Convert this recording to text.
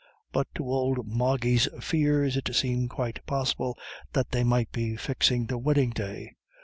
But to old Moggy's fears it seemed quite possible that they might be fixing the wedding day.